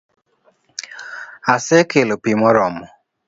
Asekelo pi moromo